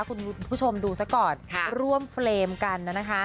คุณผู้ชมดูซะก่อนร่วมเฟรมกันนะคะ